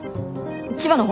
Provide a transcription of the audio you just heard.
千葉の方。